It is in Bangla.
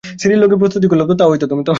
কাল থেকে একটা সর্টিও মিস হবে না তোমার।